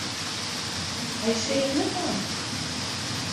Hy seach net om.